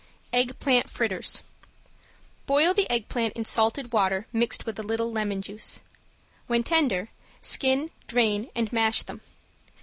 ~EGGPLANT FRITTERS~ Boil the eggplant in salted water mixed with a little lemon juice. When tender, skin, drain and mash them.